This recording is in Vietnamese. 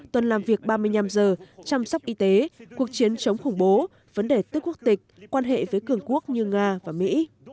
tuần làm việc ba mươi năm giờ chăm sóc y tế cuộc chiến chống khủng bố vấn đề tức quốc tịch quan hệ với cường quốc như nga và mỹ